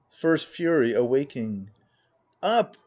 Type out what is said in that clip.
First Fury (awaking) Up